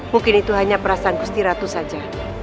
mungkin itu hanya perasaan gusti ratu saja